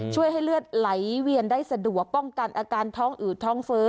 ให้เลือดไหลเวียนได้สะดวกป้องกันอาการท้องอืดท้องเฟ้อ